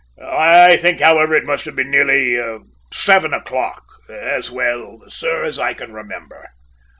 "I think, however, it must have been nearly seven o'clock, as well, sir, as I can remember."